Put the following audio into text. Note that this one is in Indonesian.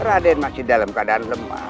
raden masih dalam keadaan lemah